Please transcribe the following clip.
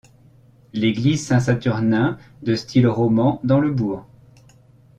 L'église Saint-Saturnin de style roman dans le bourg.